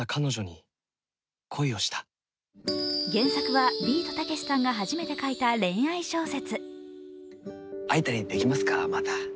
原作はビートたけしさんが初めて書いた恋愛小説。